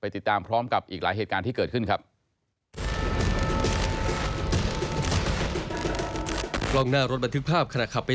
ไปติดตามพร้อมกับอีกหลายเหตุการณ์ที่เกิดขึ้นครับ